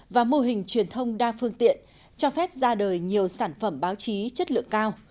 và mô hình truyền thông đa phương tiện cho phép ra đời nhiều sản phẩm báo chí chất lượng cao